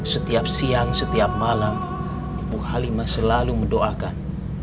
setiap siang setiap malam bu halimah selalu mendoakan